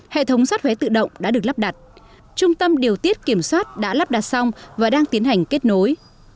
hệ thống xoát vé tự động đã được lắp đặt trung tâm điều tiết kiểm soát đã lắp đặt xong và đang tiến hành kết nối